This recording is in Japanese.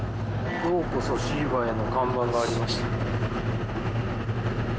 「ようこそ椎葉へ」の看板がありました。